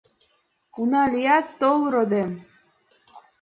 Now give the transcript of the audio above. Уна лият, тол, родем.